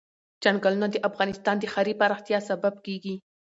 چنګلونه د افغانستان د ښاري پراختیا سبب کېږي.